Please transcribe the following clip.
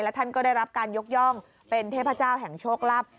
ท่านก็ได้รับการยกย่องเป็นเทพเจ้าแห่งโชคลับ